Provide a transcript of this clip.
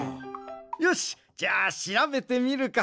よしじゃあしらべてみるか！